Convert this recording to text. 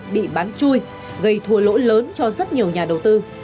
bị bán chui gây thua lỗ lớn cho rất nhiều nhà đầu tư